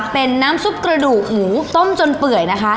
เป็นน้ำซุปกระดูกหมูต้มจนเปื่อยนะคะ